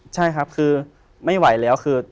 ใช่ครับคือไม่ไหวแล้วคือ